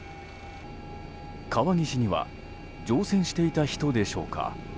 川岸には乗船していた人でしょうか。